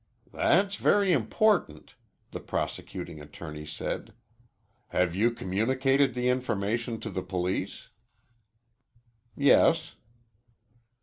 "That's very important," the prosecuting attorney said. "Have you communicated the information to the police?" "Yes."